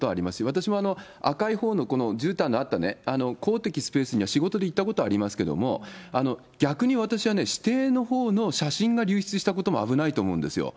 私も赤いほうのじゅうたんのあったね、公的スペースには仕事で行ったことはありますけども、逆に私はね、私邸のほうの写真が流出したことも危ないと思うんですよ。